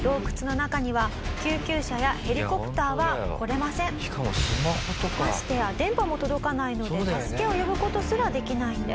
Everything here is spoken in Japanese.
「ましてや電波も届かないので助けを呼ぶ事すらできないんです」